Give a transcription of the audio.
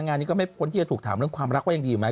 งานนี้ก็ไม่พ้นที่จะถูกถามเรื่องความรักว่ายังดีอยู่ไหม